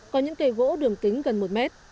có những cây gỗ đường kính gần một m